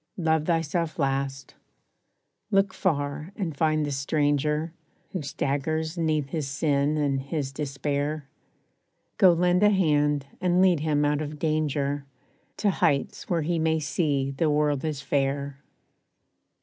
Love thyself last. Look far and find the stranger, Who staggers 'neath his sin and his despair; Go lend a hand, and lead him out of danger, To hights where he may see the world is fair.